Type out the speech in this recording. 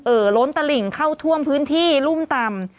ล้นตลิ่งเข้าท่วมพื้นที่รุ่มต่ำ